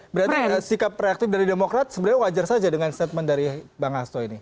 berarti sikap reaktif dari demokrat sebenarnya wajar saja dengan statement dari bang hasto ini